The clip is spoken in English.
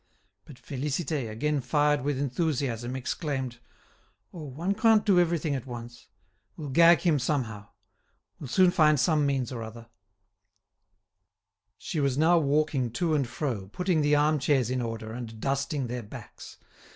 But Félicité, again fired with enthusiasm, exclaimed: "Oh! one can't do everything at once. We'll gag him, somehow. We'll soon find some means or other." She was now walking to and fro, putting the arm chairs in order, and dusting their backs.